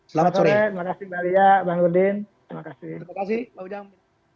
selamat sore terima kasih mbak lia pak nurudin terima kasih pak ujang